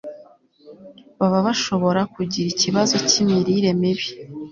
baba bashobora kugira ikibazo cy'imirire mibi